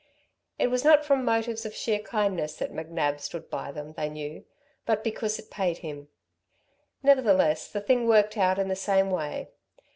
It was not from motives of sheer kindness that McNab stood by them, they knew, but because it paid him. Nevertheless, the thing worked out in the same way.